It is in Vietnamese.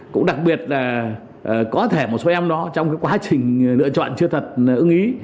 cũng đặc biệt là có thể một số em đó trong quá trình lựa chọn chưa thật ưng ý